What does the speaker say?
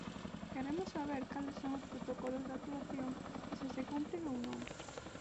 Queremos saber cales son os protocolos de actuación e se se cumpren ou non.